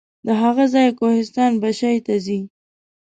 له هغه ځایه کوهستان بشای ته ځي.